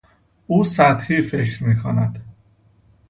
او سطحی فکر میکند.